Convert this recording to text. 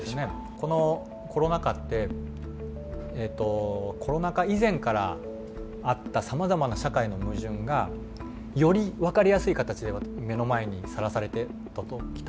このコロナ禍ってコロナ禍以前からあったさまざまな社会の矛盾がより分かりやすい形で目の前にさらされてきたと思うんですね。